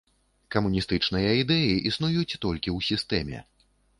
Камуністычныя ідэі існуюць толькі ў сістэме.